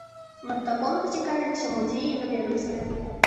Мастаком зацікавіліся музеі і галерысты.